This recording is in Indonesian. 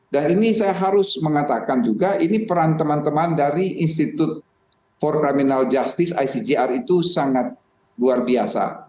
dan ini saya harus mengatakan juga ini peran teman teman dari institut for criminal justice itu sangat luar biasa